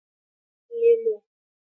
🍋 لېمو